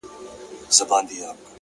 دغه ياغي خـلـگـو بــه منـلاى نـــه،